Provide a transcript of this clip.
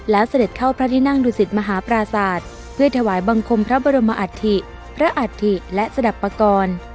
แล้วเสด็จเข้าพระที่นั่งดุสิตมหาปราศาสตร์เพื่อถวายบังคมพระบรมอัฐิพระอัฐิและสดับปกรณ์